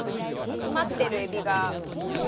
詰まってるえびが。